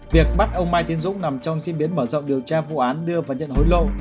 việc bắt ông mai tiến dũng nằm trong diễn biến mở rộng điều tra vụ án đưa và nhận hối lộ